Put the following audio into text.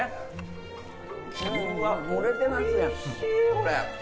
これ！